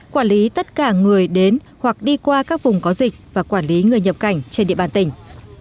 quản lý tất cả người đến hoặc đi qua các vùng có dịch và quản lý người nhập cảnh trên địa bàn tỉnh